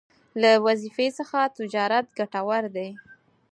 له وظيفې څخه تجارت ګټور دی